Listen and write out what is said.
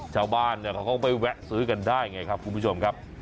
ชาวบ้านเขาก็ไปแวะซื้อกันได้ไงครับคุณผู้ชมครับ